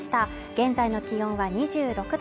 現在の気温は２６度。